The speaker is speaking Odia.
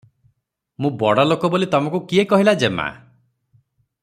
"ମୁଁ ବଡ଼ଲୋକ ବୋଲି ତମକୁ କିଏ କହିଲା ଯେମା?"